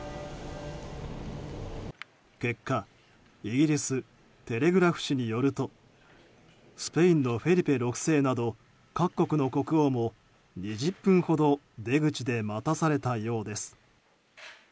結果イギリス、テレグラフ紙によるとスペインのフェリペ６世など各国の国王も２０分ほど出口で待たされたようです。